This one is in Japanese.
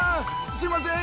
すいません